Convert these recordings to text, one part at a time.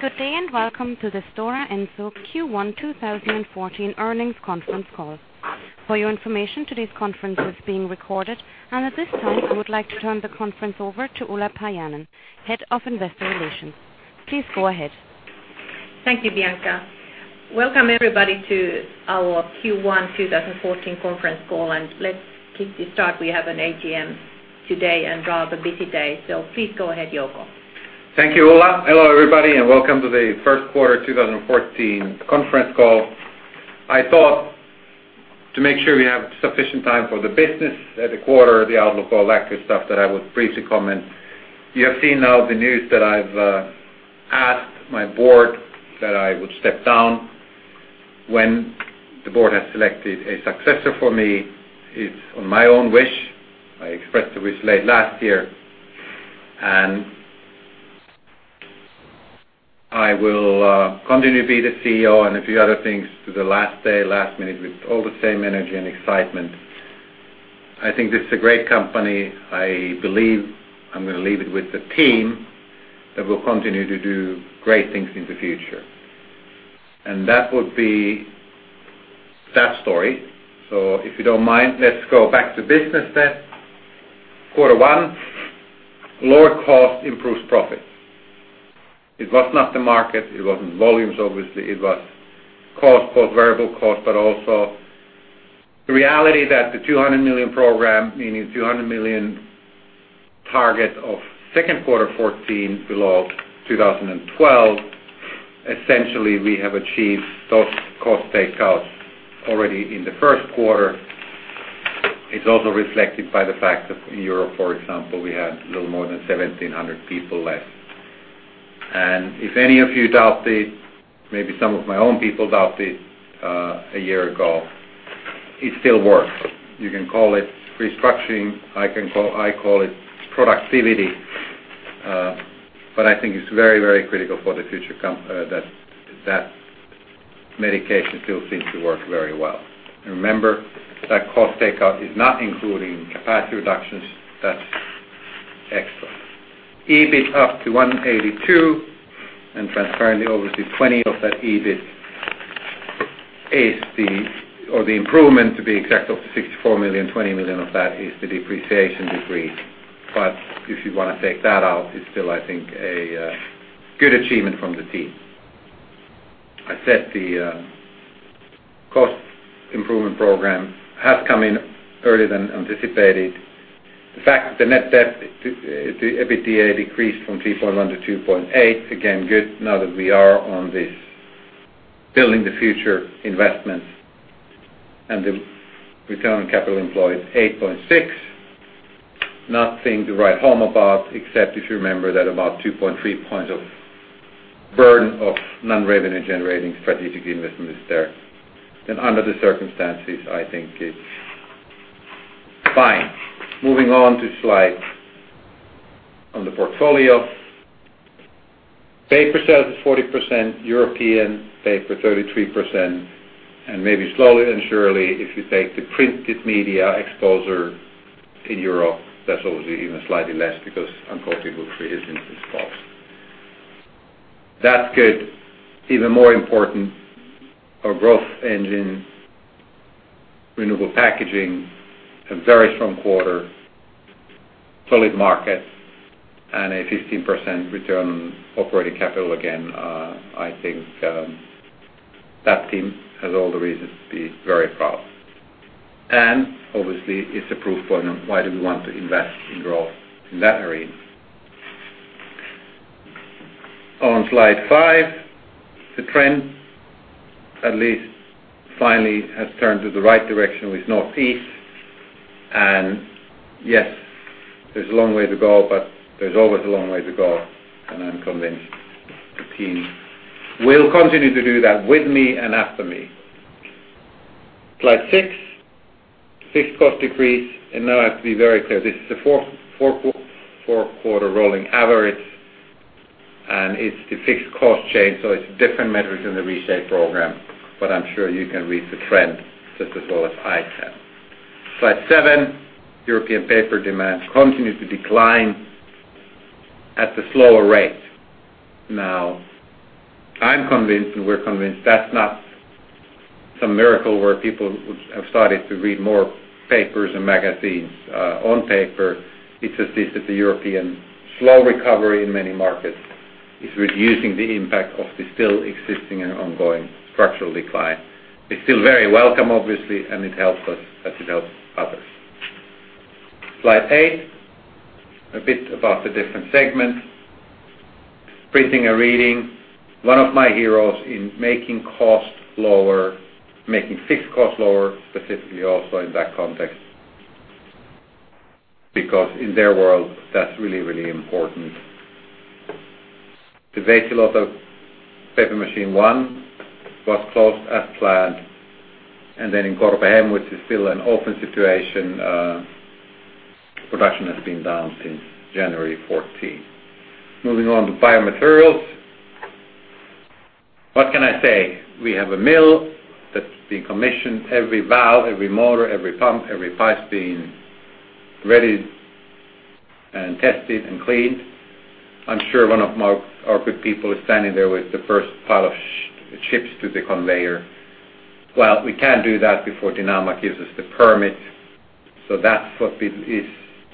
Good day. Welcome to the Stora Enso Q1 2014 earnings conference call. For your information, today's conference is being recorded, and at this time, I would like to turn the conference over to Ulla Paajanen, Head of Investor Relations. Please go ahead. Thank you, Bianca. Welcome everybody to our Q1 2014 conference call. Let's quickly start. We have an AGM today and rather a busy day. Please go ahead, Jouko. Thank you, Ulla. Hello, everybody. Welcome to the first quarter 2014 conference call. I thought to make sure we have sufficient time for the business, the quarter, the outlook, all that good stuff, that I would briefly comment. You have seen now the news that I've asked my board that I would step down when the board has selected a successor for me. It's on my own wish. I expressed the wish late last year. I will continue to be the CEO and a few other things to the last day, last minute with all the same energy and excitement. I think this is a great company. I believe I'm going to leave it with the team that will continue to do great things in the future. That would be that story. If you don't mind, let's go back to business. Quarter one, lower cost improves profit. It was not the market, it wasn't volumes, obviously, it was cost, both variable cost, but also the reality that the 200 million program, meaning 200 million target of second quarter 2014 below 2012, essentially, we have achieved those cost takeouts already in the first quarter. It's also reflected by the fact that in Europe, for example, we had a little more than 1,700 people less. If any of you doubt it, maybe some of my own people doubt it, a year ago. It still works. You can call it restructuring. I call it productivity. I think it's very critical for the future that that medication still seems to work very well. Remember, that cost takeout is not including capacity reductions, that's extra. EBIT up to 182, transparently, obviously, 20 of that EBIT or the improvement, to be exact, of the 64 million, 20 million of that is the depreciation decrease. If you want to take that out, it's still, I think, a good achievement from the team. I said the cost improvement program has come in earlier than anticipated. The fact that the net debt to EBITDA decreased from 3.1 to 2.8, again, good now that we are on this building the future investments. The return on capital employed, 8.6%. Nothing to write home about, except if you remember that about 2.3 points of burden of non-revenue generating strategic investment is there. Under the circumstances, I think it's fine. Moving on to slide on the portfolio. Paper sales is 40%, European paper 33%. Maybe slowly and surely, if you take the printed media exposure in Europe, that's obviously even slightly less because uncoated book paper creation is false. That's good. Even more important, our growth engine, Renewable Packaging, a very strong quarter, solid market, and a 15% return on operating capital. I think that team has all the reasons to be very proud. Obviously, it's a proof point on why do we want to invest in growth in that arena. On slide five, the trend at least finally has turned to the right direction with Northeast. Yes, there's a long way to go, but there's always a long way to go, and I'm convinced the team will continue to do that with me and after me. Slide six, fixed cost decrease. Now I have to be very clear, this is the four-quarter rolling average, and it's the fixed cost change, so it's a different metric than the Reshape program, but I'm sure you can read the trend just as well as I can. Slide seven, European paper demand continues to decline at the slower rate. I'm convinced, and we're convinced that's not some miracle where people have started to read more papers and magazines on paper. It's just this, that the European slow recovery in many markets is reducing the impact of the still existing and ongoing structural decline. It's still very welcome, obviously, and it helps us as it helps others. Slide eight, a bit about the different segments. Printing and Reading. One of my heroes in making cost lower, making fixed cost lower, specifically also in that context because in their world, that's really important. The baseload of paper machine 1 was closed as planned, and then in Corbehem, which is still an open situation, production has been down since January 14th. Moving on to Biomaterials. What can I say? We have a mill that's been commissioned. Every valve, every motor, every pump, every pipe's been readied and tested and cleaned. I'm sure one of our good people is standing there with the first pile of chips to the conveyor. Well, we can't do that before DINAMA gives us the permit. That's what is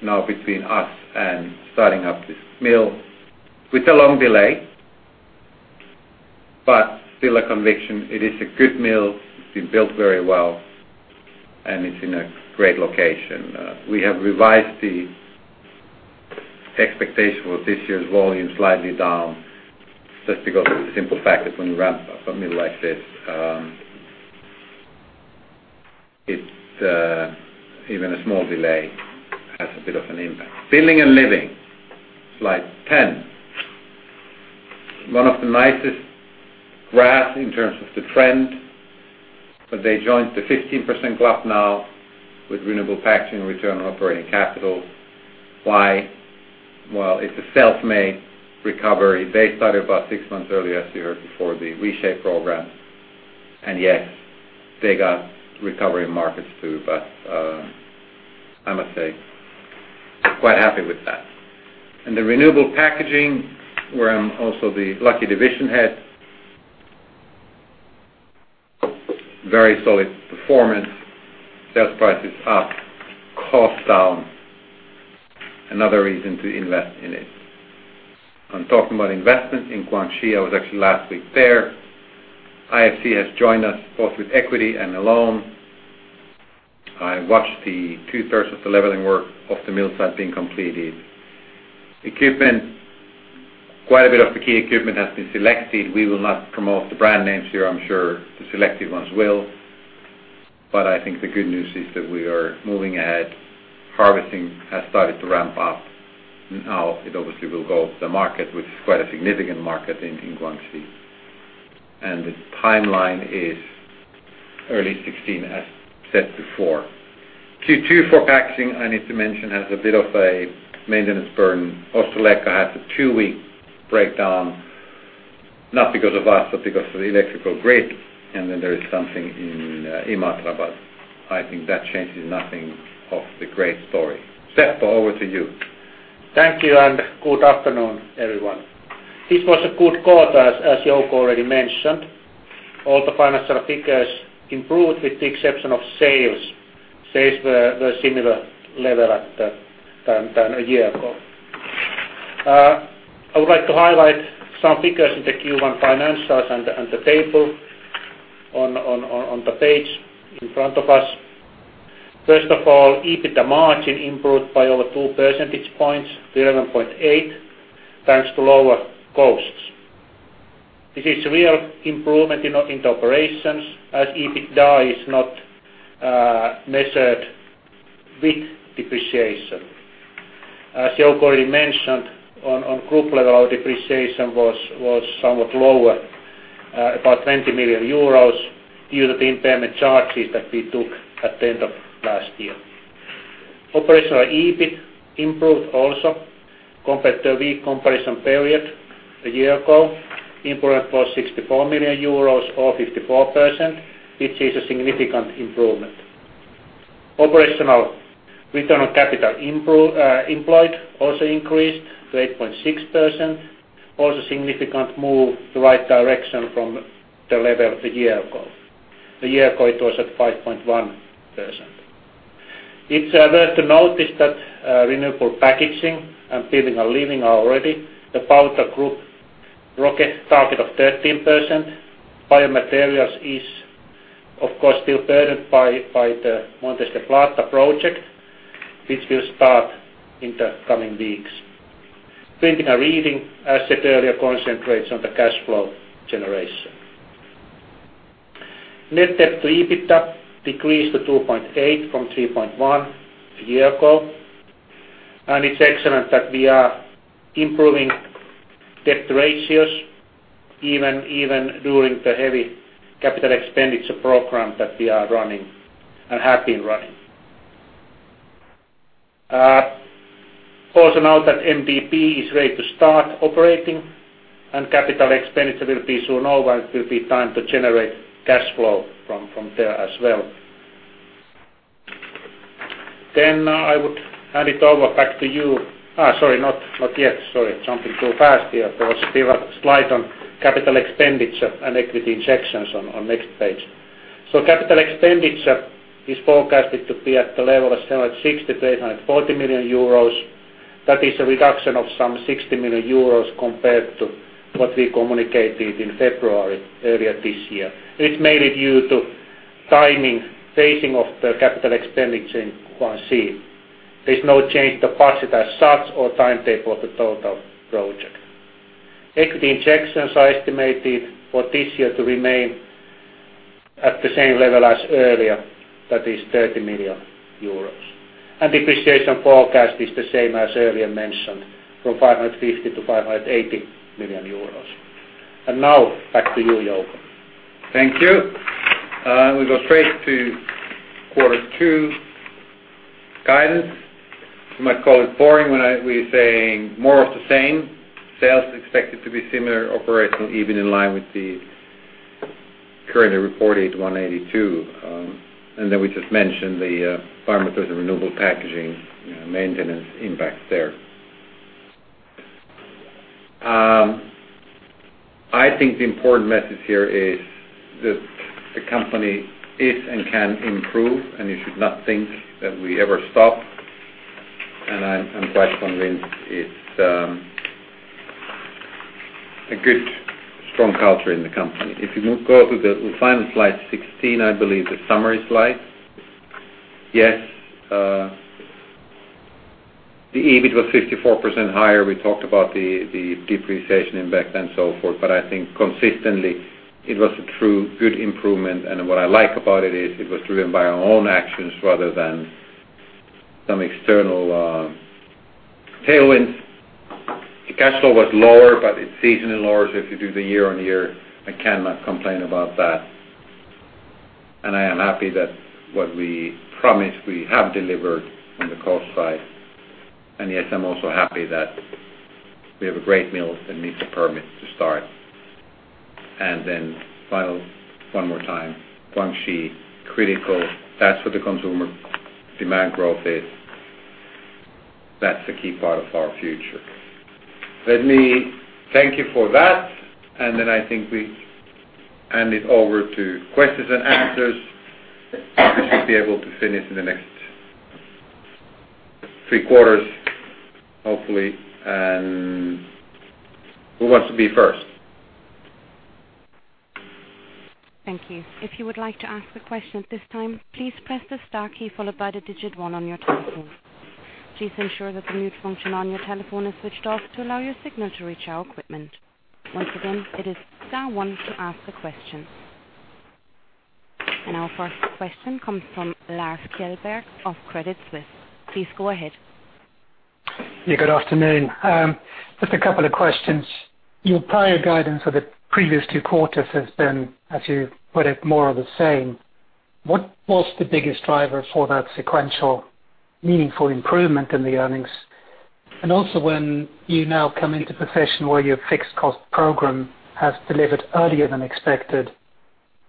now between us and starting up this mill. With a long delay, but still a conviction. It is a good mill. It's been built very well, and it's in a great location. We have revised the expectation for this year's volume slightly down, just because of the simple fact that when you ramp up a mill like this, even a small delay has a bit of an impact. Building and Living, slide 10. One of the nicest graphs in terms of the trend, but they joined the 15% club now with Renewable Packaging return on operating capital. Why? Well, it's a self-made recovery. They started about six months earlier last year before the Reshape program. Yes, they got recovery markets, too. I must say, quite happy with that. In the Renewable Packaging, where I'm also the lucky division head, very solid performance. Sales price is up, cost down. Another reason to invest in it. I'm talking about investment in Guangxi. I was actually last week there. IFC has joined us both with equity and a loan. I watched the two-thirds of the leveling work of the mill site being completed. Equipment, quite a bit of the key equipment has been selected. We will not promote the brand names here. I'm sure the selected ones will. I think the good news is that we are moving ahead. Harvesting has started to ramp up. Now it obviously will go to the market, which is quite a significant market in Guangxi. The timeline is early 2016, as said before. Q2 for Packaging, I need to mention, has a bit of a maintenance burn. Ostrołęka has a two-week breakdown, not because of us, but because of the electrical grid. Then there is something in Imatra, but I think that changes nothing of the great story. Seppo, over to you. Thank you. Good afternoon, everyone. This was a good quarter, as Jouko already mentioned. All the financial figures improved with the exception of sales. Sales were similar level than a year ago. I would like to highlight some figures in the Q1 financials and the table on the page in front of us. First of all, EBITDA margin improved by over two percentage points to 11.8%, thanks to lower costs. This is real improvement in the operations as EBITDA is not measured with depreciation. As Jouko already mentioned, on group level, our depreciation was somewhat lower, about 20 million euros due to the impairment charges that we took at the end of last year. Operational EBIT improved also compared to a weak comparison period a year ago. Improvement was 64 million euros or 54%, which is a significant improvement. Operational return on capital employed also increased to 8.6%, also significant move the right direction from the level a year ago. A year ago, it was at 5.1%. It's worth to notice that Renewable Packaging and Building and Living are already about the group ROCE target of 13%. Biomaterials is, of course, still burdened by the Montes del Plata project, which will start in the coming weeks. Printing and Reading, I said earlier, concentrates on the cash flow generation. Net debt to EBITDA decreased to 2.8 from 3.1 a year ago. It's excellent that we are improving debt ratios even during the heavy capital expenditure program that we are running and have been running. Now that MdP is ready to start operating and capital expenditure will be soon over, it will be time to generate cash flow from there as well. I would hand it over back to you. Sorry, not yet. Sorry, jumping too fast here. There was still a slide on capital expenditure and equity injections on next page. Capital expenditure is forecasted to be at the level of 760 million-840 million euros. That is a reduction of some 60 million euros compared to what we communicated in February earlier this year, which is mainly due to timing, phasing of the capital expenditure in Guangxi. There is no change to budget as such or timetable of the total project. Equity injections are estimated for this year to remain at the same level as earlier, that is 30 million euros. Depreciation forecast is the same as earlier mentioned, from 550 million-580 million euros. Now back to you, Jouko. Thank you. We go straight to quarter two Guidance. You might call it boring when we're saying more of the same. Sales is expected to be similar, operational, even in line with the currently reported 182. We just mentioned the Varkaus and Renewable Packaging maintenance impacts there. I think the important message here is that the company is and can improve, and you should not think that we ever stop. I'm quite convinced it's a good, strong culture in the company. If you go to the final slide 16, I believe, the summary slide. Yes, the EBIT was 54% higher. We talked about the depreciation impact and so forth, I think consistently, it was a true good improvement, and what I like about it is it was driven by our own actions rather than some external tailwinds. The cash flow was lower, it's seasonally lower, if you do the year-on-year, I cannot complain about that. I am happy that what we promised, we have delivered on the cost side. I'm also happy that we have a great mill that meets the permits to start. Final, one more time, Guangxi, critical. That's what the consumer demand growth is. That's the key part of our future. Let me thank you for that. I think we hand it over to questions and answers. We should be able to finish in the next three quarters, hopefully. Who wants to be first? Thank you. If you would like to ask a question at this time, please press the star key followed by the digit one on your telephone. Please ensure that the mute function on your telephone is switched off to allow your signal to reach our equipment. Once again, it is star one to ask a question. Our first question comes from Lars Kjellberg of Credit Suisse. Please go ahead. Yeah, good afternoon. Just a couple of questions. Your prior guidance for the previous two quarters has been, as you put it, more of the same. What was the biggest driver for that sequential meaningful improvement in the earnings? Also, when you now come into position where your fixed cost program has delivered earlier than expected,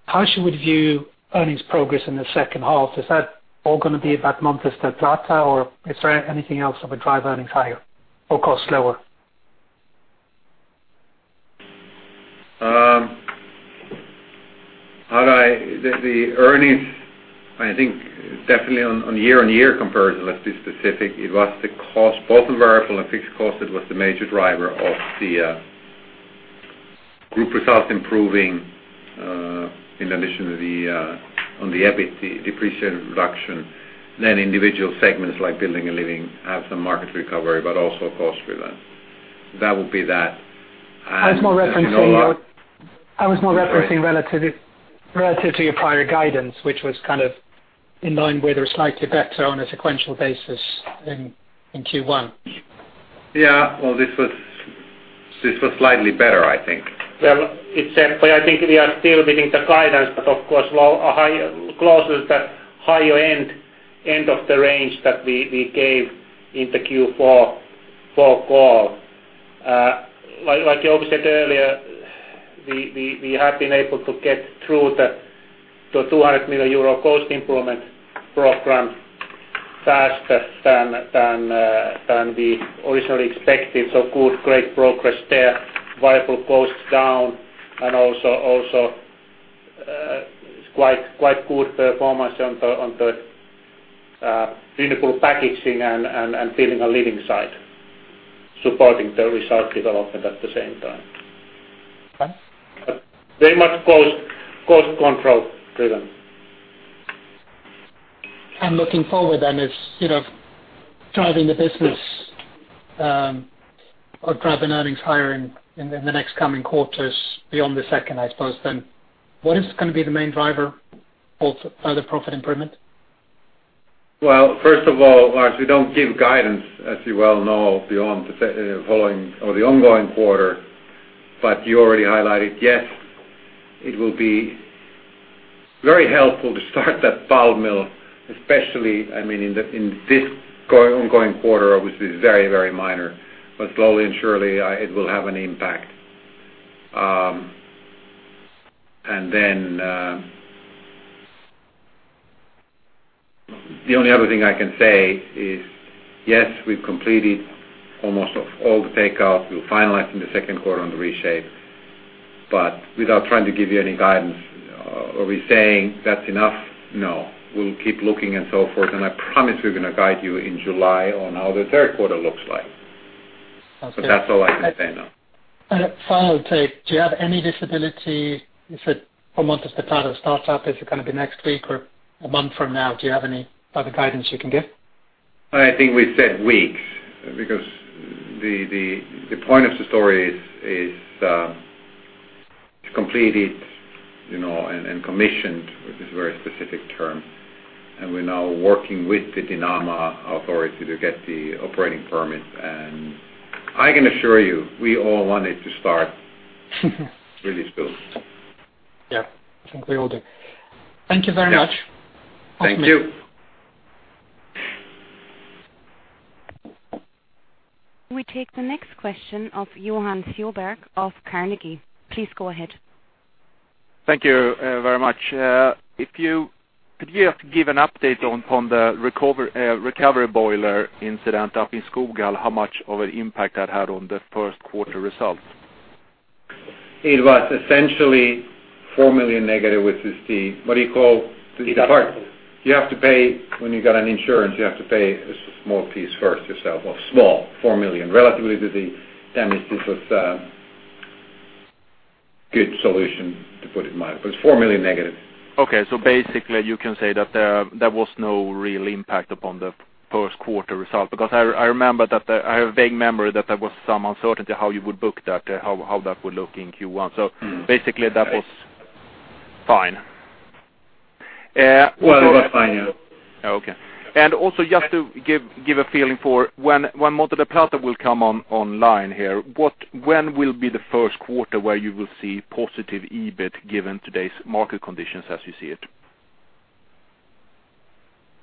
how should we view earnings progress in the second half? Is that all going to be about Montes del Plata, or is there anything else that would drive earnings higher or cost lower? The earnings, I think definitely on year-on-year comparison, let's be specific, it was the cost, both the variable and fixed cost that was the major driver of the group results improving, in addition to the, on the EBIT depreciation reduction. Individual segments like Building and Living have some market recovery, but also cost driven. That would be that. As you know. I was more referencing relative to your prior guidance, which was kind of in line with or slightly better on a sequential basis in Q1. Yeah. Well, this was slightly better, I think. I think we are still within the guidance, but of course, closer to the higher end of the range that we gave in the Q4 call. Like you also said earlier, we have been able to get through the 200 million euro cost improvement program faster than we originally expected. Good, great progress there. Variable costs down and also quite good performance on the Renewable Packaging and Building and Living side, supporting the result development at the same time. Okay. Very much cost control driven. Looking forward then, if driving the business or driving earnings higher in the next coming quarters beyond the second, I suppose, what is going to be the main driver of further profit improvement? First of all, Lars, we don't give guidance, as you well know, beyond the following or the ongoing quarter. You already highlighted, yes, it will be very helpful to start that pulp mill, especially in this ongoing quarter, which is very minor. Slowly and surely, it will have an impact. The only other thing I can say is, yes, we've completed almost of all the takeoff. We'll finalize in the second quarter on the Reshape. Without trying to give you any guidance, are we saying that's enough? No. We'll keep looking and so forth, and I promise we're going to guide you in July on how the third quarter looks like. Sounds good. That's all I can say now. A final take. Do you have any visibility for Montes del Plata startup? Is it going to be next week or a month from now? Do you have any type of guidance you can give? I think we said weeks because the point of the story is to complete it and commission, which is a very specific term. We're now working with the DINAMA authority to get the operating permit. I can assure you, we all want it to start really soon. Yeah. I think we all do. Thank you very much. Thank you. We take the next question of Johan Fjellberg of Carnegie. Please go ahead. Thank you very much. Could you give an update on the recovery boiler incident up in Skoghall, how much of an impact that had on the first quarter results? It was essentially 4 million negative, which is the, you have to pay, when you got an insurance, you have to pay a small piece first yourself. Well, small, 4 million. Relatively to the damages, it was a good solution, to put it in mind. It's 4 million negative. Okay. Basically you can say that there was no real impact upon the first quarter result. I remember that, I have a vague memory that there was some uncertainty how you would book that, how that would look in Q1. Basically that was fine. Well, it was fine, yeah. Oh, okay. Also, just to give a feeling for when Montes del Plata will come online here. When will be the first quarter where you will see positive EBIT given today's market conditions as you see it?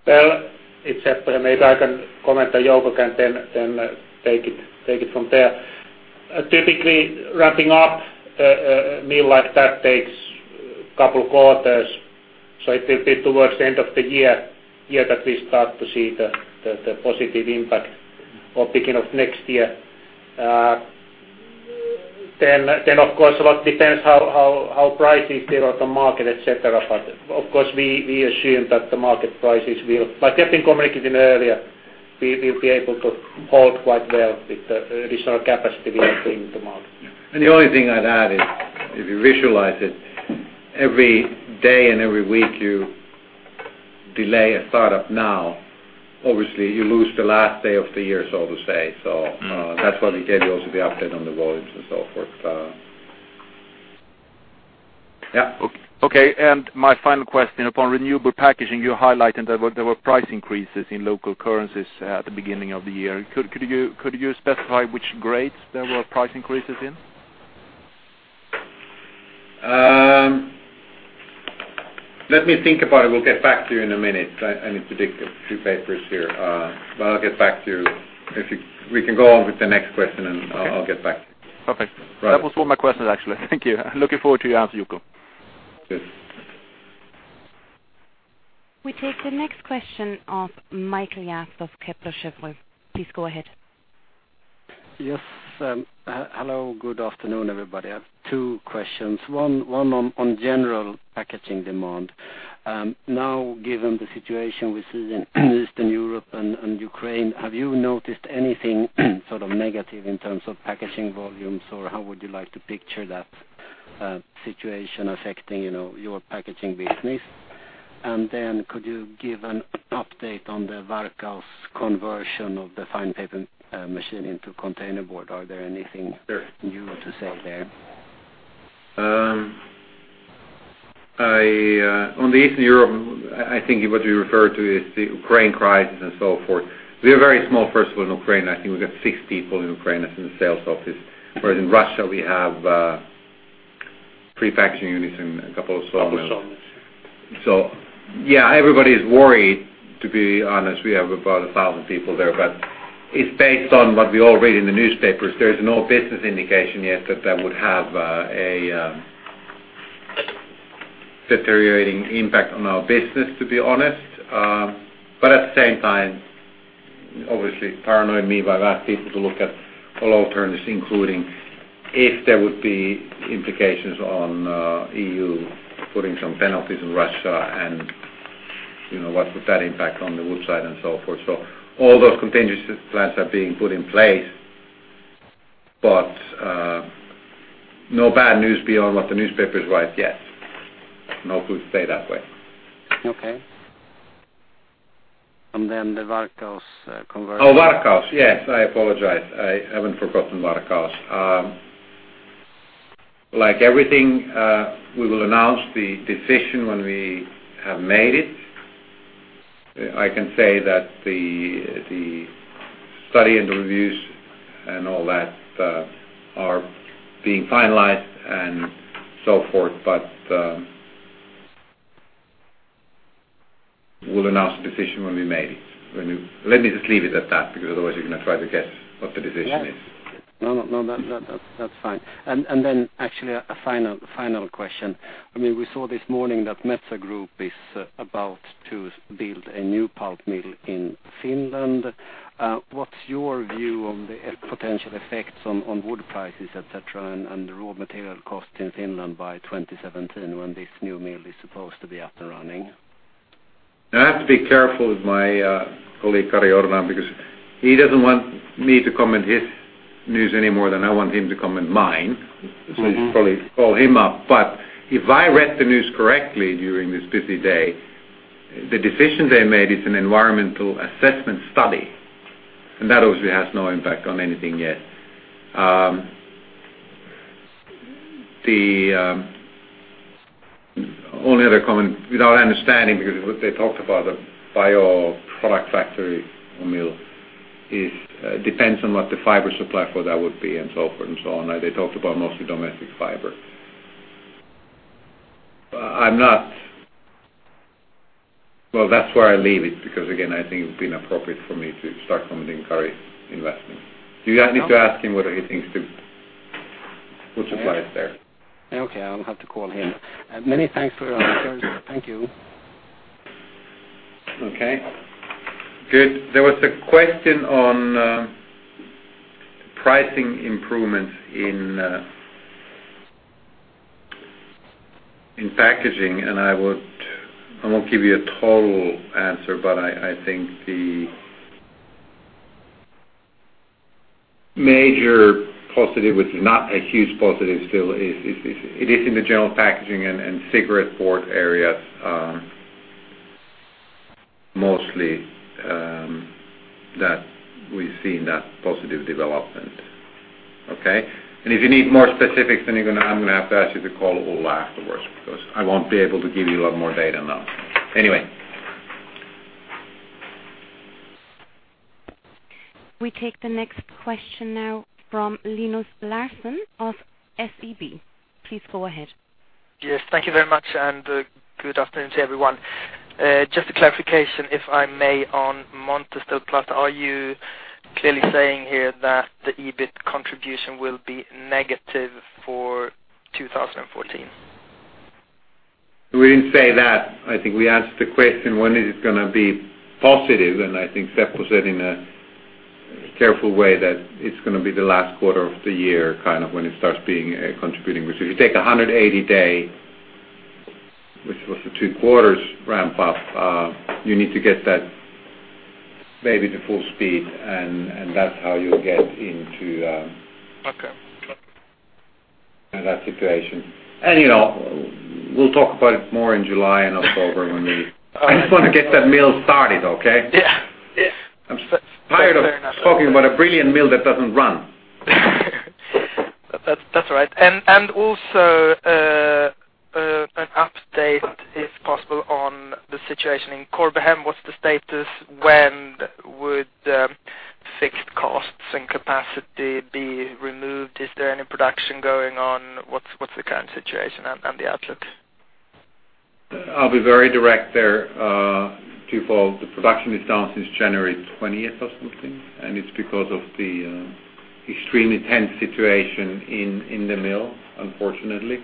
Well, it's September. Maybe I can comment, Jouko can then take it from there. Typically, wrapping up a mill like that takes a couple quarters, so it will be towards the end of the year that we start to see the positive impact, or beginning of next year. Of course, a lot depends how prices there on the market, et cetera. Of course, we assume that the market prices will Like I've been communicating earlier, we will be able to hold quite well with the additional capacity we are bringing to market. The only thing I'd add is, if you visualize it, every day and every week you delay a startup now, obviously you lose the last day of the year, so to say. That's why we gave you also the update on the volumes and so forth. Yeah. Okay. My final question. Upon Renewable Packaging, you highlighted there were price increases in local currencies at the beginning of the year. Could you specify which grades there were price increases in? Let me think about it. We'll get back to you in a minute. I need to dig up a few papers here. I'll get back to you. We can go on with the next question, I'll get back to you. Okay. Perfect. Right. That was all my questions, actually. Thank you. Looking forward to your answer, Jouko. Cheers. We take the next question of Mikael Jåfs of Kepler Cheuvreux. Please go ahead. Yes. Hello. Good afternoon, everybody. I have two questions. One on general packaging demand. Now, given the situation we see in Eastern Europe and Ukraine, have you noticed anything sort of negative in terms of packaging volumes, or how would you like to picture that situation affecting your packaging business? Could you give an update on the Varkaus conversion of the fine paper machine into containerboard? Are there anything new to say there? In Eastern Europe, I think what you refer to is the Ukraine crisis and so forth. We are very small, first of all, in Ukraine. I think we've got six people in Ukraine that's in the sales office. Whereas in Russia, we have three packaging units and a couple of sold. Couple sold. Yeah, everybody is worried, to be honest. We have about 1,000 people there. It's based on what we all read in the newspapers. There's no business indication yet that that would have a deteriorating impact on our business, to be honest. At the same time, obviously paranoid me, but I've asked people to look at alternatives, including if there would be implications on EU putting some penalties on Russia, and what would that impact on the wood side and so forth. All those contingency plans are being put in place, but no bad news beyond what the newspapers write yet. Hopefully it will stay that way. Okay. The Varkaus conversion. Varkaus. Yes, I apologize. I haven't forgotten Varkaus. Like everything, we will announce the decision when we have made it. I can say that the study and the reviews and all that are being finalized and so forth. We'll announce the decision when we made it. Let me just leave it at that, because otherwise you're going to try to guess what the decision is. Yes. No. That's fine. Actually, a final question. We saw this morning that Metsä Group is about to build a new pulp mill in Finland. What's your view on the potential effects on wood prices, et cetera, and the raw material cost in Finland by 2017 when this new mill is supposed to be up and running? I have to be careful with my colleague, Kari Jordan, because he doesn't want me to comment his news any more than I want him to comment mine. You should probably call him up. If I read the news correctly during this busy day, the decision they made is an environmental assessment study. That obviously has no impact on anything yet. The only other comment, without understanding, because they talked about a bioproduct factory or mill. It depends on what the fiber supply for that would be and so forth and so on. They talked about mostly domestic fiber. Well, that's where I leave it, because again, I think it would be inappropriate for me to start commenting on Kari's investment. You need to ask him what he thinks to put supplies there. Okay. I'll have to call him. Many thanks for your answers. Thank you. Okay, good. There was a question on pricing improvements in packaging. I won't give you a total answer, but I think the major positive is not a huge positive still. It is in the general packaging and cigarette board areas mostly, that we've seen that positive development. Okay? If you need more specifics, I'm going to have to ask you to call Ulla afterwards, because I won't be able to give you a lot more data now. Anyway. We take the next question now from Linus Larsson of SEB. Please go ahead. Yes. Thank you very much. Good afternoon to everyone. Just a clarification, if I may, on Montes del Plata. Are you clearly saying here that the EBIT contribution will be negative for 2014? We didn't say that. I think we answered the question when it is going to be positive, and I think Seppo said in a careful way that it's going to be the last quarter of the year kind of when it starts contributing. Which if you take 180 day, which was the two quarters ramp up, you need to get that maybe to full speed, and that's how you get into. Okay that situation. We'll talk about it more in July and October. I just want to get that mill started, okay? Yeah. I'm tired of talking about a brilliant mill that doesn't run. That's all right. Also, an update, if possible, on the situation in Corbehem. What's the status? When would fixed costs and capacity be removed? Is there any production going on? What's the current situation and the outlook? I'll be very direct there. Twofold, the production is down since January 20th or something, and it's because of the extremely tense situation in the mill, unfortunately.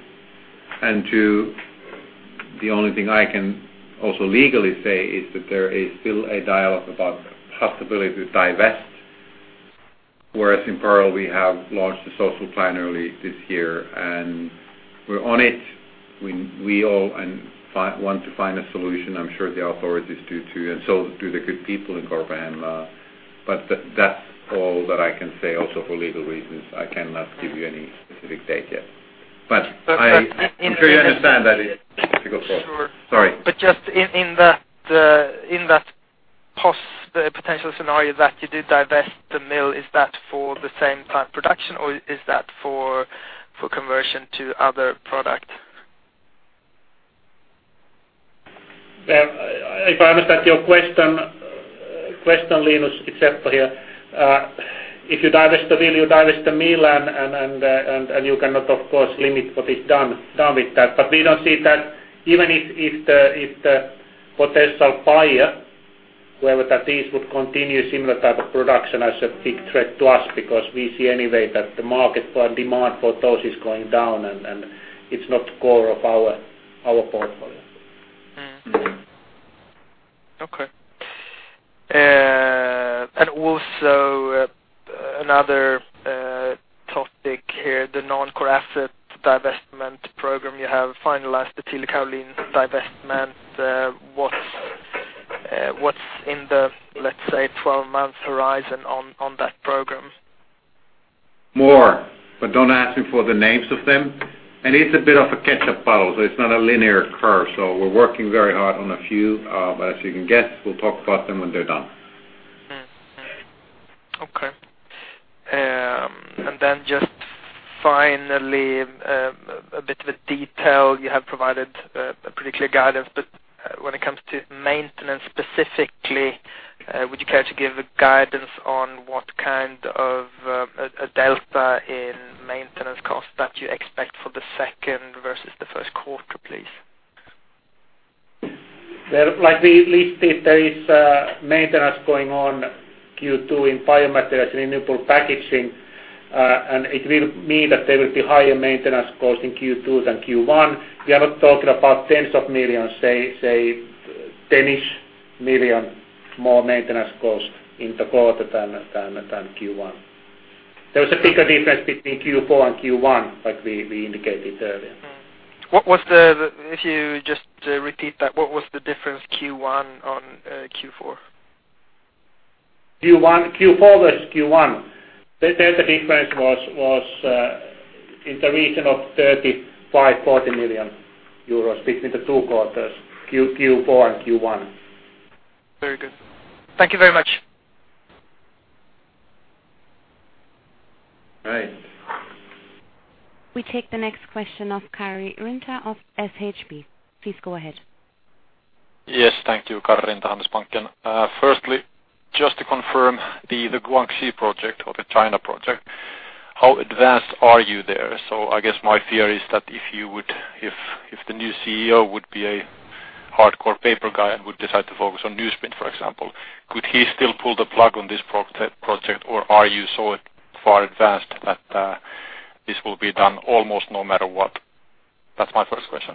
Two, the only thing I can also legally say is that there is still a dialogue about possibility to divest, whereas in Pärnu we have launched the social plan early this year, and we're on it. We all want to find a solution. I'm sure the authorities do too, and so do the good people in Corbehem. That's all that I can say. For legal reasons, I cannot give you any specific date yet. I'm sure you understand that it's a difficult call. Sure. Sorry. Just in that potential scenario that you did divest the mill, is that for the same type of production, or is that for conversion to other product? If I understand your question, Linus, it's Seppo here. If you divest the mill, you divest the mill, you cannot, of course, limit what is done with that. We don't see that even if the potential buyer, whoever that is, would continue similar type of production as a big threat to us, because we see anyway that the market demand for those is going down, it's not the core of our portfolio. Okay. Also, another topic here, the non-core asset divestment program. You have finalized the Tillä kaolin divestment. What's in the, let's say, 12-month horizon on that program? More, but don't ask me for the names of them. It's a bit of a catch-up bottle, it's not a linear curve. We're working very hard on a few, but as you can guess, we'll talk about them when they're done. Okay. Then just finally, a bit of a detail. You have provided a particular guidance, when it comes to maintenance specifically, would you care to give a guidance on what kind of a delta in maintenance cost that you expect for the second versus the first quarter, please? Like we listed, there is maintenance going on Q2 in Biomaterials and Renewable Packaging, it will mean that there will be higher maintenance cost in Q2 than Q1. We are not talking about tens of millions, say EUR ten-ish million more maintenance cost in the quarter than Q1. There is a bigger difference between Q4 and Q1, like we indicated earlier. If you just repeat that, what was the difference Q1 on Q4? Q4 versus Q1. There the difference was in the region of 35, 40 million euros between the two quarters, Q4 and Q1. Very good. Thank you very much. Great. We take the next question of Kari Rinta of Handelsbanken. Please go ahead. Yes. Thank you. Kari Rinta, Handelsbanken. Firstly, just to confirm the Guangxi project or the China project, how advanced are you there? I guess my fear is that if the new CEO would be a hardcore paper guy and would decide to focus on newsprint, for example, could he still pull the plug on this project? Are you so far advanced that this will be done almost no matter what? That's my first question.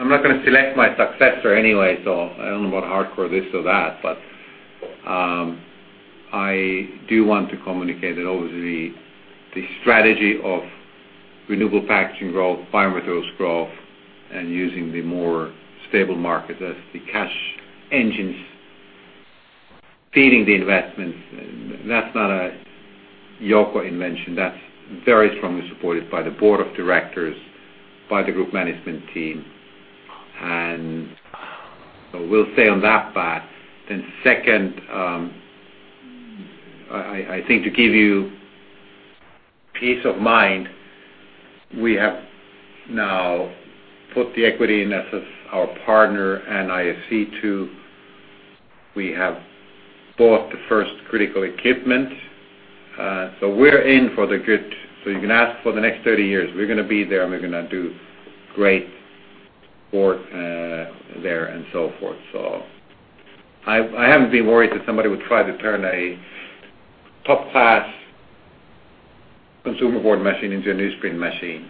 I'm not going to select my successor anyway, I don't know about hardcore this or that, but I do want to communicate that obviously the strategy of Renewable Packaging growth, Biomaterials growth, and using the more stable market as the cash engines feeding the investments. That's not a Jouko invention. That's very strongly supported by the board of directors, by the group management team, we'll stay on that path. Second, I think to give you peace of mind, we have now put the equity in as our partner, IFC, too. We have bought the first critical equipment, we're in for the good. You can ask for the next 30 years. We're going to be there, and we're going to do great work there and so forth. I haven't been worried that somebody would try to turn a top-class consumer board machine into a newsprint machine.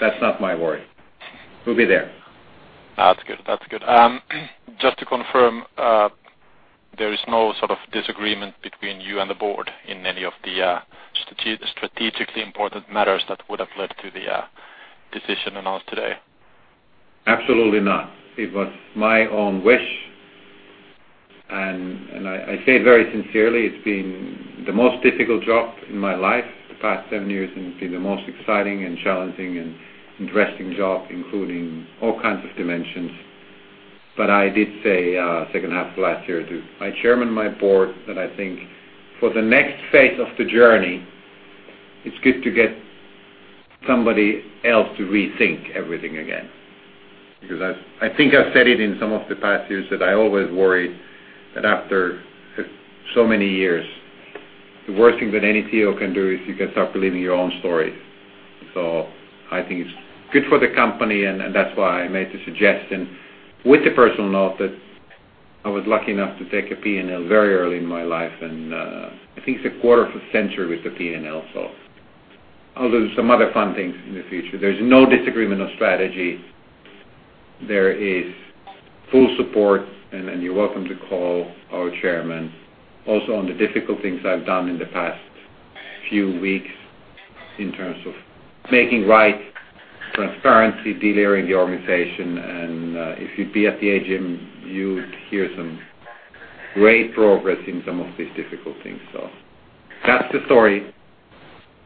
That's not my worry. We'll be there. That's good. Just to confirm, there is no sort of disagreement between you and the board in any of the strategically important matters that would have led to the decision announced today. Absolutely not. It was my own wish, I say very sincerely, it's been the most difficult job in my life the past seven years, it's been the most exciting and challenging and interesting job, including all kinds of dimensions. I did say second half of last year to my chairman and my board that I think for the next phase of the journey, it's good to get somebody else to rethink everything again. I think I've said it in some of the past years, that I always worried that after so many years, the worst thing that any CEO can do is you can start believing your own story. I think it's good for the company, and that's why I made the suggestion with the personal note that I was lucky enough to take a P&L very early in my life, and I think it's a quarter of a century with the P&L. I'll do some other fun things in the future. There's no disagreement on strategy. There is full support, and you're welcome to call our chairman also on the difficult things I've done in the past few weeks in terms of making right transparency, delayering the organization, and if you'd be at the AGM, you'd hear some great progress in some of these difficult things. That's the story,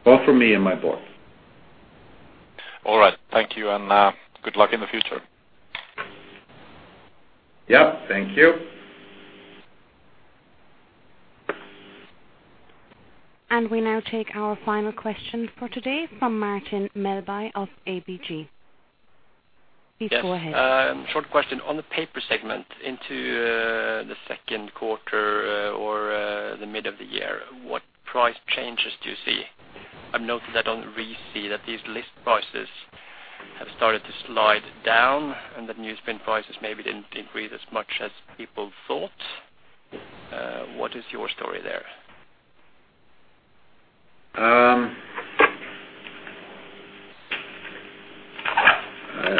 both for me and my board. All right. Thank you, and good luck in the future. Yeah. Thank you. We now take our final question for today from Martin Melbye of ABG. Please go ahead. Yes. Short question. On the paper segment into the second quarter or the mid of the year, what price changes do you see? I've noted that on RISI that these list prices have started to slide down and that newsprint prices maybe didn't increase as much as people thought. What is your story there?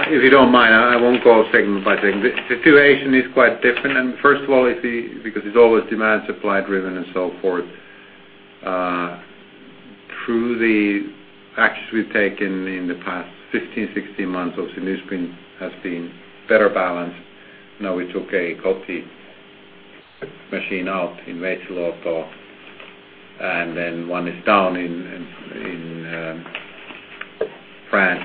If you don't mind, I won't go segment by segment. The situation is quite different. First of all, because it's always demand, supply driven and so forth. Through the actions we've taken in the past 15, 16 months or so, newsprint has been better balanced. We took a Kemi machine out in Veitsiluoto. Then one is down in France.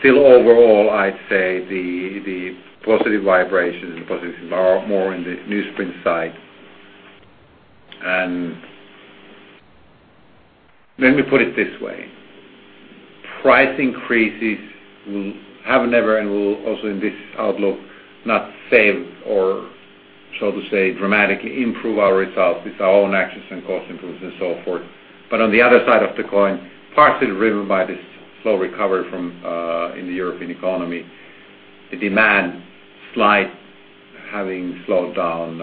Still overall, I'd say the positive vibrations and positives are more in the newsprint side. Let me put it this way. Price increases will have never, and will also in this outlook, not save or, so to say, dramatically improve our results with our own actions and cost improvements and so forth. On the other side of the coin, partially driven by this slow recovery in the European economy, the demand slide having slowed down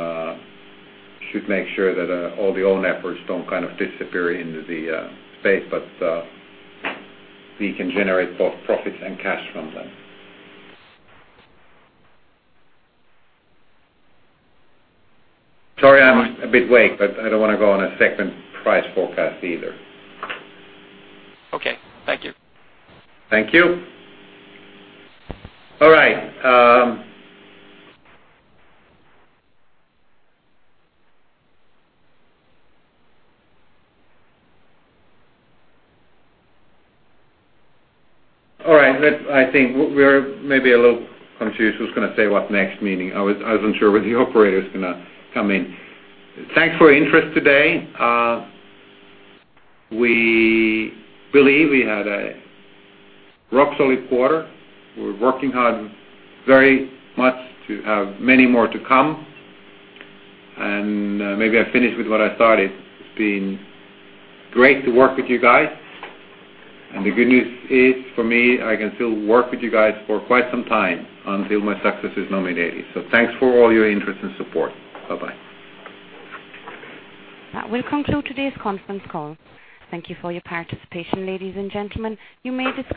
should make sure that all the own efforts don't kind of disappear into the space. We can generate both profits and cash from them. Sorry, I'm a bit vague, but I don't want to go on a segment price forecast either. Okay. Thank you. Thank you. All right. All right. I think we're maybe a little confused who's going to say what next, meaning I wasn't sure whether the operator's going to come in. Thanks for your interest today. We believe we had a rock-solid quarter. We're working on very much to have many more to come. Maybe I finish with what I started. The good news is, for me, I can still work with you guys for quite some time until my successor is nominated. Thanks for all your interest and support. Bye-bye. That will conclude today's conference call. Thank you for your participation, ladies and gentlemen. You may dis-